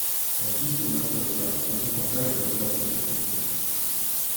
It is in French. Elle détourna ses regards et contempla les rosaces du tapis turc.